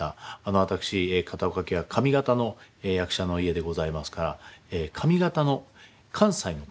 私片岡家は上方の役者の家でございますから上方の関西の手なんです。